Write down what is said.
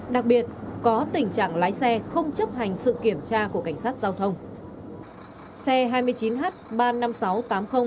đặc biệt có tình trạng lái xe không chấp hành sự kiểm tra của cảnh sát giao thông